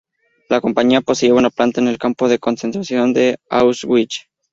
La compañía poseía una planta en el campo de concentración de Auschwitz.